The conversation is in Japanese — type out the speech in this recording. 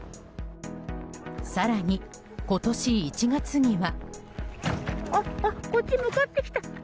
更に、今年１月には。